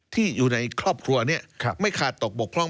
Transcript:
ที่อยู่ในครอบครัวนี้ไม่ขาดตกบกพร่อง